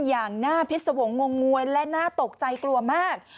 อย่างน่าพิษวงศ์งงวยและน่าตกใจกลัวมาก